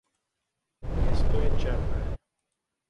Město je černé.